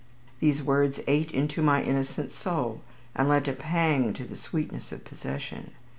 These words ate into my innocent soul, and lent a pang to the sweetness of possession.